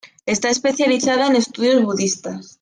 Está especializada en estudios budistas.